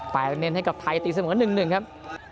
แปลเม้นให้กับไทยตีเสมอหนึ่งหนึ่งครับ